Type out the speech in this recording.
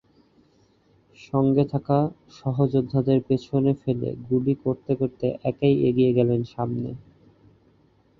সঙ্গে থাকা সহযোদ্ধাদের পেছনে ফেলে গুলি করতে করতে একাই এগিয়ে গেলেন সামনে।